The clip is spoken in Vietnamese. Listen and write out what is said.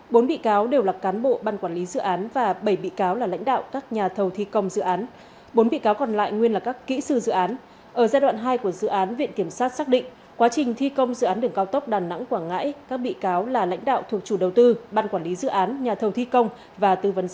bốn bị cáo đều là cán bộ ban quản lý dự án và bảy bị cáo là lãnh đạo các nhà thầu thi công dự án